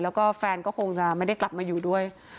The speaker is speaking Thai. แล้วก็แฟนก็คงจะไม่ได้กลับมาอยู่ด้วย